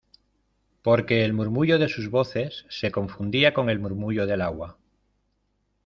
porque el murmullo de sus voces se confundía con el murmullo del agua.